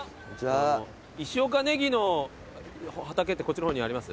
石岡ネギの畑ってこっちの方にあります？